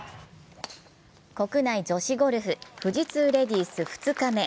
国内女子ゴルフ、富士通レディース２日目。